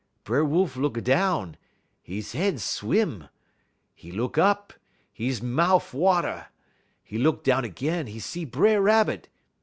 B'er Wolf look a down, 'e head swim; 'e look up, 'e mout' water; 'e look a down 'g'in, 'e see B'er Rabbit.